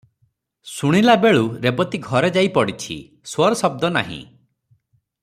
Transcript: ଶୁଣିଲା ବେଳୁ ରେବତୀ ଘରେ ଯାଇ ପଡ଼ିଛି, ସୋର ଶବ୍ଦ ନାହିଁ ।